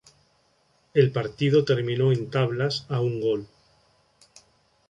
El partido terminó en tablas a un gol.